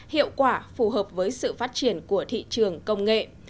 hiệu quả phù hợp với sự phát triển của thị trường công nghệ